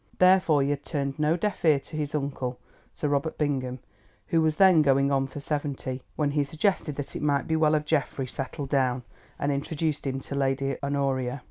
Therefore he had turned no deaf ear to his uncle, Sir Robert Bingham, who was then going on for seventy, when he suggested that it might be well if Geoffrey be settled down, and introduced him to Lady Honoria.